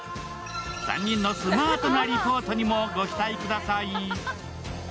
３人のスマートなリポートにもご期待ください。